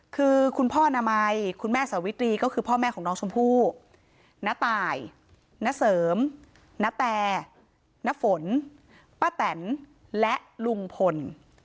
คือคุณพ่อนามัยคุณแม่สวิตรีก็คือพ่อแม่ของน้องชมพู่ณตายณเสริมณแต่ณฝนป้าแตนและลุงพล